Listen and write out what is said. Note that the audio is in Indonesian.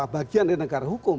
bagian dari negara hukum